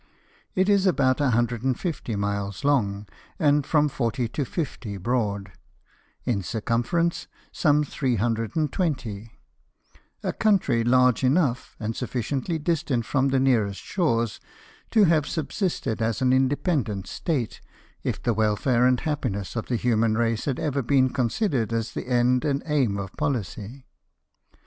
It is about 150 miles long, and from 40 to 50 broad ; in circumference, some 320 — a country large enough, and sufficiently distant from the nearest shores, to have subsisted as an independent State, if the welfare and happiness of the human race had ever been considered as the end and aim of policy.